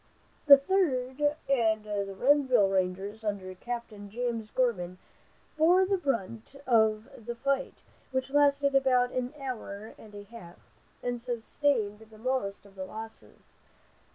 The Third and the Renville Rangers under Capt. James Gorman bore the brunt of the fight, which lasted about an hour and a half, and sustained the most of the losses.